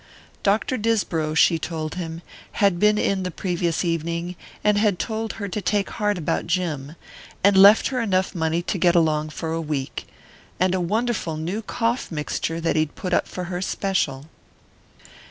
Dr. Disbrow, she told him, had been in the previous evening, and had told her to take heart about Jim, and left her enough money to get along for a week and a wonderful new cough mixture that he'd put up for her special.